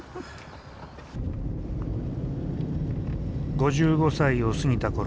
５５歳を過ぎたころ